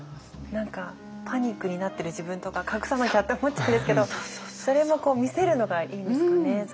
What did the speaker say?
何かパニックになってる自分とか隠さなきゃって思っちゃうんですけどそれも見せるのがいいんですかね。